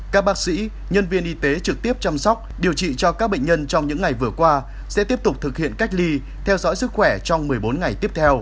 các bác sĩ nhân viên y tế trực tiếp chăm sóc điều trị cho các bệnh nhân trong những ngày vừa qua sẽ tiếp tục thực hiện cách ly theo dõi sức khỏe trong một mươi bốn ngày tiếp theo